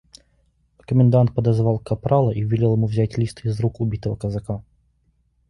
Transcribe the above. Комендант подозвал капрала и велел ему взять лист из рук убитого казака.